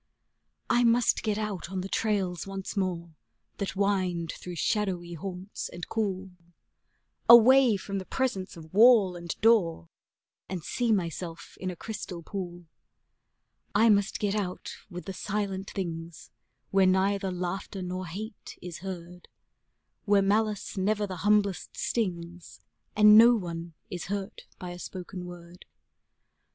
I must get out on the trails once more that wind through shadowy haunts and cool, Away from the presence of wall and door, and see myself in a crystal pool; I must get out with the silent things, where neither laughter nor hate is heard, Where malice never the humblest stings and no one is hurt by a spoken word.